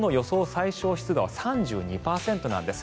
最小湿度は３２％なんです。